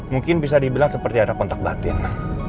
mungkin bisa dibilang seperti ada kontak batin